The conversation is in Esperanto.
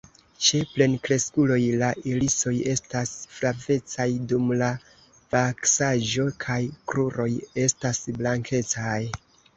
Ĉe plenkreskuloj la irisoj estas flavecaj, dum la vaksaĵo kaj kruroj estas blankecaj.